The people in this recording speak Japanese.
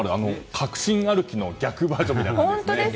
確信歩きの逆バージョンみたいな感じですね。